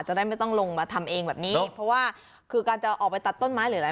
จะได้ไม่ต้องลงมาทำเองแบบนี้เพราะว่าคือการจะออกไปตัดต้นไม้หรืออะไร